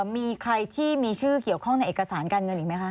มีใครที่มีชื่อเกี่ยวข้องในเอกสารการเงินอีกไหมคะ